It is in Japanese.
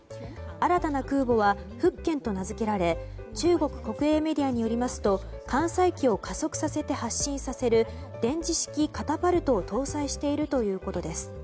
新たな空母は「福建」と名付けられ中国国営メディアによりますと艦載機を加速させて発進させる電磁式カタパルトを搭載しているということです。